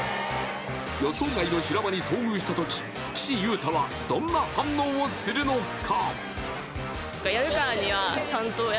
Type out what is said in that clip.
予想外の修羅場に遭遇した時岸優太はどんな反応をするのか